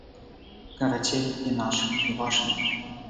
Карацей, і нашым і вашым.